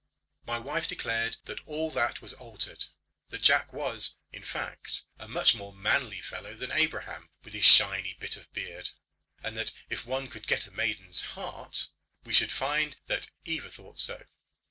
My wife declared that all that was altered, that Jack was, in fact, a much more manly fellow than Abraham with his shiny bit of beard; and that if one could get at a maiden's heart, we should find that Eva thought so.